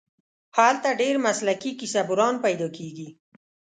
هلته ډېر مسلکي کیسه بُران پیدا کېږي.